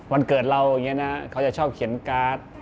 วันเกิดเราอย่างนี้นะเขาจะชอบเขียนการ์ด